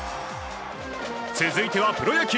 続いては、プロ野球。